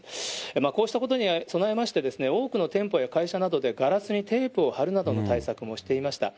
こうしたことに備えまして、多くの店舗や会社などでガラスにテープを貼るなどの対策もしていました。